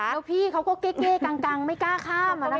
แล้วพี่เขาก็เก้กังไม่กล้าข้าม